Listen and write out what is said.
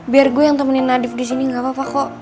biar gue yang temenin adif disini gak apa apa kok